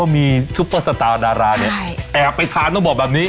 มีคนดัง